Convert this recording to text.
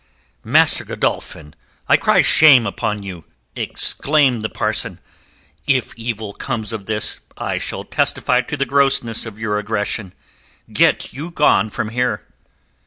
"Master Godolphin, I cry shame upon you," exclaimed the parson. "If evil comes of this I shall testify to the grossness of your aggression. Get you gone from here!"